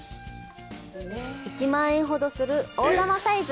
１万円ほどする大玉サイズ。